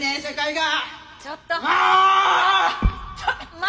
ちょっと！